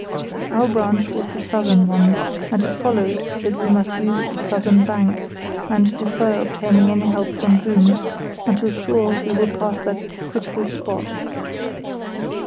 Our branch was the southern one, and it followed that we must use the southern bank, and defer obtaining any help from booms until sure we were past that critical spot.